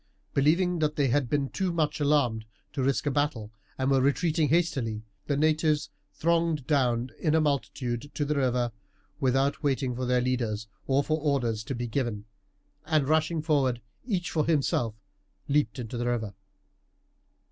Believing that they had been too much alarmed to risk a battle, and were retreating hastily, the natives thronged down in a multitude to the river without waiting for their leaders or for orders to be given, and rushing forward, each for himself, leaped into the river.